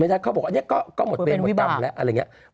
ไม่ได้เขาบอกว่านี่ก็หมดเบนหมดตำแล้วอะไรอย่างนี้